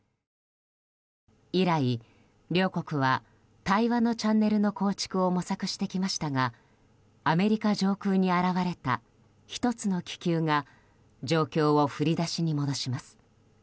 以来、両国は対話のチャンネルの構築を模索してきましたがアメリカ上空に現れた１つの気球が状況を振り出しに戻します。